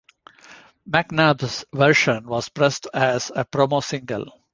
McNabb's version was pressed as a promo single.